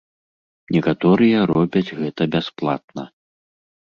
Некаторыя робяць гэта бясплатна.